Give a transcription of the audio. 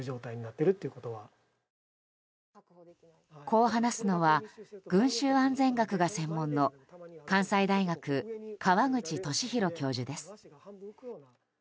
こう話すのは群衆安全学が専門の関西大学、川口寿裕教授です。